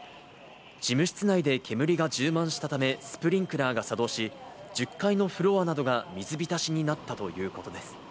事務室内で煙が充満したため、スプリンクラーが作動し、１０階のフロアなどが水浸しになったということです。